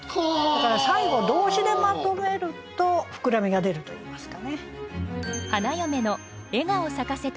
だから最後動詞でまとめると膨らみが出るといいますかね。